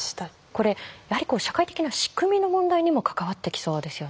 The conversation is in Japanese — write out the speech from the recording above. これやはり社会的な仕組みの問題にも関わってきそうですよね。